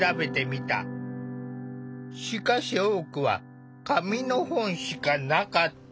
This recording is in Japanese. しかし多くは紙の本しかなかった。